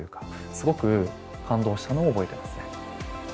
すごく感動したのを覚えてますね。